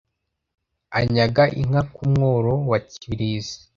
Anyaga inka ku mwaro wa Kibirizi